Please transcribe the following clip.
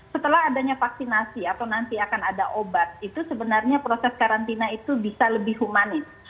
setelah adanya vaksinasi atau nanti akan ada obat itu sebenarnya proses karantina itu bisa lebih humanis